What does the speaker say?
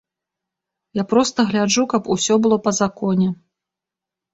Я проста гляджу, каб усё было па законе.